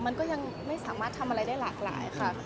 มันก็ยังไม่สามารถทำอะไรได้หลากหลายค่ะ